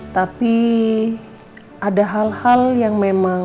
tapi ada hal hal yang memang